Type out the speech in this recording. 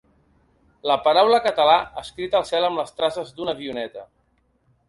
La paraula ‘català’ escrita al cel amb les traces d’una avioneta.